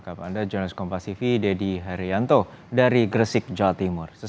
kepada jurnalist kompas tv dedy haryanto dari gersik jawa timur